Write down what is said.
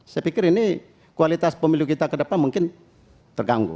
saya pikir ini kualitas pemilu kita ke depan mungkin terganggu